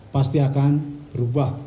pasti akan berubah